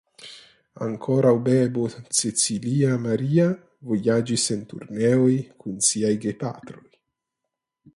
Ankoraŭ bebo Cecilia Maria vojaĝis en turneoj kun siaj gepatroj.